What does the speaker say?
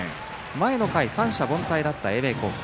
前の回、三者凡退だった英明高校。